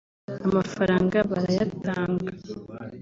amafaranga barayatanga